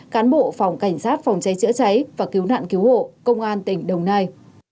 cán bộ phòng cảnh sát phòng cháy chữa cháy và cứu nạn cứu hộ công an tỉnh đồng nai